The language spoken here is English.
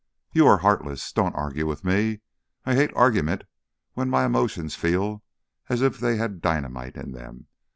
"You are heartless! Don't argue with me. I hate argument when my emotions feel as if they had dynamite in them.